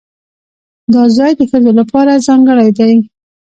دا ځای د ښځو لپاره ځانګړی دی.